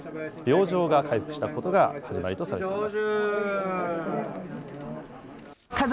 病状が回復したことが始まりとされています。